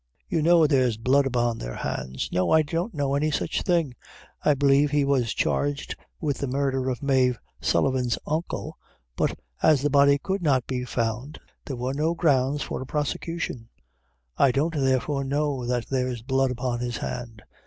You know there's blood upon their hands." "No, I don't know any such thing; I believe he was charged with the murder of Mave Sullivan's uncle, but as the body could not be found, there were no grounds for a prosecution. I don't, therefore, know that there's blood upon his hand."